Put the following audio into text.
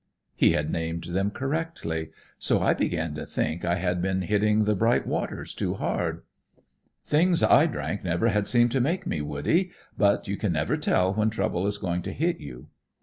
"He had named them correctly; so I began to think I had been hitting the bright waters too hard. "Things I drank never had seemed to make me woody; but you can never tell when trouble is going to hit you.